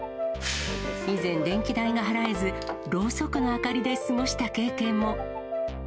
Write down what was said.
以前、電気代が払えず、ろうそくの明かりで過ごした経験も。